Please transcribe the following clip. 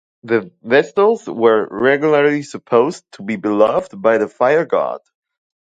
The Vestals were regularly supposed to be beloved by the fire-god.